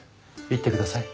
行ってください。